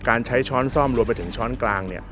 การใช้ช้อนซ่อมรวมไปถึงช้อนกลาง